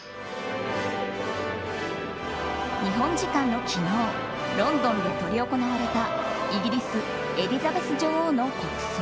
日本時間の昨日ロンドンで執り行われたイギリス、エリザベス女王の国葬。